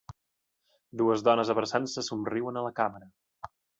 Dues dones abraçant-se somriuen a la càmera